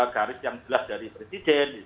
garis yang jelas dari presiden